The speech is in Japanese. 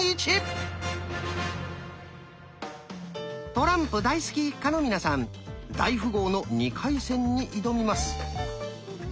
トランプ大好き一家の皆さん大富豪の２回戦に挑みます。